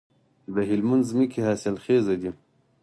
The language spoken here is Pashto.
د هلمند ځمکې حاصلخیزه دي